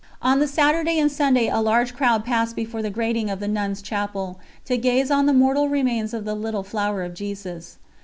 On the Saturday and Sunday a large crowd passed before the grating of the nuns' chapel, to gaze on the mortal remains of the "Little Flower of Jesus."